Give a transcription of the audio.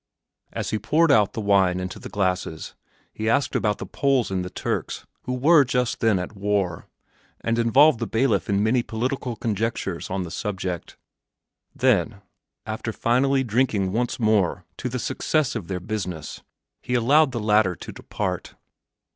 As he poured out the wine into the glasses, he asked about the Poles and the Turks who were just then at war, and involved the bailiff in many political conjectures on the subject; then, after finally drinking once more to the success of their business, he allowed the latter to depart.